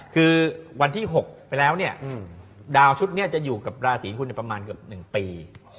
คือวันที่๖ไปแล้วเนี่ยดาวชุดนี้จะอยู่กับราศีคุณประมาณเกือบ๑ปี